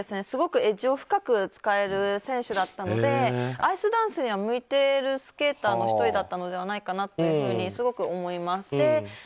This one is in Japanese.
すごくエッジを深く使える選手だったのでアイスダンスには向いているスケーターの１人だったのではないかとすごく思います。